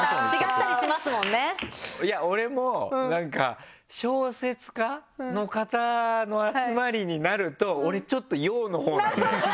いや俺もなんか小説家の方の集まりになると俺ちょっと陽のほうなのよ。